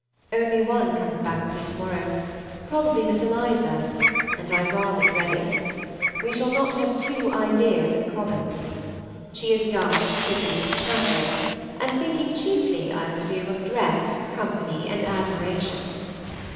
Only one comes back with me to morrow, probably Miss Eliza, and I rather dread it. We shall not have two ideas in common. She is young, pretty, chattering, and thinking chiefly, I presume, of dress, company, and admiration.